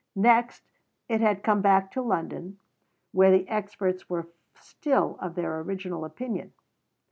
Next it had come back to London, where the experts were still of their original opinion.